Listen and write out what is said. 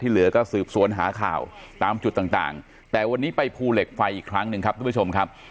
เหลือก็สืบสวนหาข่าวตามจุดต่างต่างแต่วันนี้ไปภูเหล็กไฟอีกครั้งหนึ่งครับทุกผู้ชมครับ